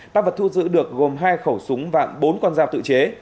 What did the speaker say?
tăng vật thu giữ được gồm hai khẩu súng và bốn con dao tự chế